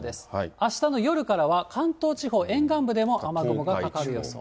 あしたの夜からは、関東地方、沿岸部でも雨雲がかかる予想。